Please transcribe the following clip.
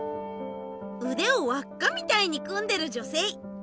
うでをわっかみたいに組んでる女性。